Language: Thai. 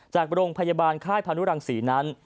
จากโรงพยาบาลค่ายพานุรังศรีนั้น